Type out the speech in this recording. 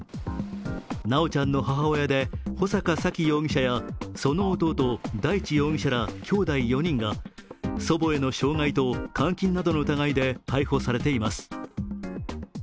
修ちゃんの母親で穂坂沙喜容疑者やその弟・大地容疑者らきょうだい４人が祖母への傷害と監禁などの疑いで逮捕されています。